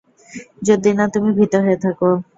যদি না তুমি ভীত হয়ে থাকো।